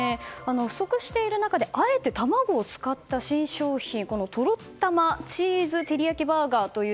不足している中であえて卵を使った新商品とろったまチーズテリヤキバーガー